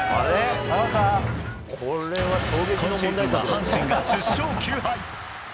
今シーズンは阪神が１０勝９敗。